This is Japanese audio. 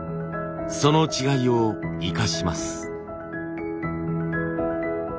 その違いを生かします。